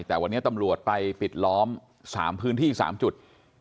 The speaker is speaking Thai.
แต่วันนี้ตำรวจไปปิดล้อม๓พื้นที่๓จุด